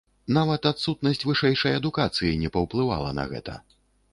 Нават адсутнасць вышэйшай адукацыі не паўплывала на гэта.